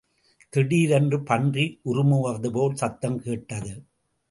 திடீரென்று பன்றி உறுமுவதுபோல் சத்தம் கேட்டது.